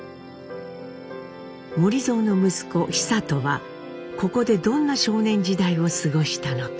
守造の息子久渡はここでどんな少年時代を過ごしたのか？